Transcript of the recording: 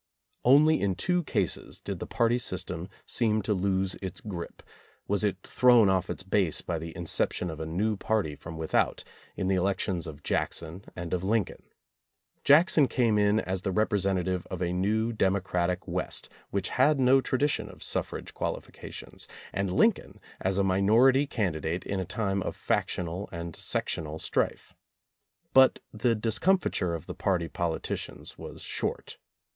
Only in two cases did the party system seem to lose its grip, was it thrown off its base by the in ception of a new party from without — in the elec tions of Jackson and of Lincoln. Jackson came in as the representative of a new democratic West which had no tradition of suffrage qualifications, and Lincoln as a minority candidate in a time of factional and sectional strife. But the discom fiture of the party politicians was short.